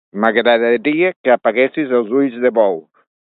M'agradaria que apaguessis els ulls de bou.